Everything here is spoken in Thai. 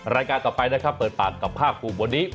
รายการต่อไปนะครับเปิดปากกับค่าครู่บดี้